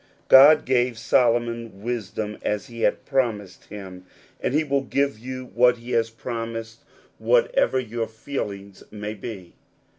87 God gave Solomon wisdom as he had promised him, and he will give you what he has promised, weateveryour feelings may be.